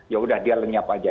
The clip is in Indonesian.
ya sudah dia lenyap